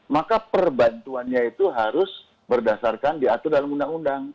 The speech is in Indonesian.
maka perbantuannya itu harus berdasarkan diatur dalam undang undang